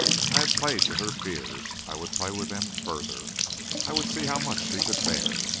I had played with her fears. I would play with them further. I would see how much she could bear.